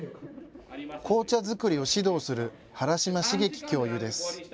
紅茶作りを指導する原嶌茂樹教諭です。